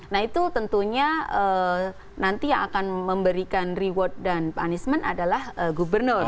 nah itu tentunya nanti yang akan memberikan reward dan punishment adalah gubernur